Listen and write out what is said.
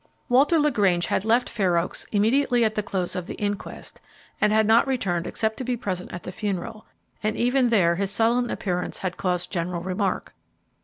Walter LaGrange had left Fair Oaks immediately at the close of the inquest, and had not returned except to be present at the funeral, and even there his sullen appearance had caused general remark.